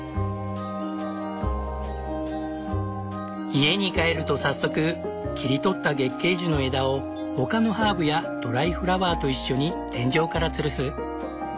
家に帰ると早速切り取った月桂樹の枝を他のハーブやドライフラワーと一緒に天井からつるす。